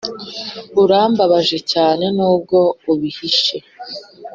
urababaje cyane nubwo ubihishe?